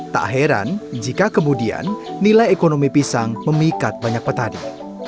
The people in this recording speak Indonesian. tak heran jika kemudian nilai ekonomi pisang memikat banyak petani